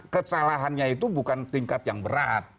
kesalahannya itu bukan tingkat yang berat